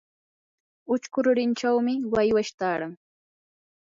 uchku rurinchawmi waywash taaran.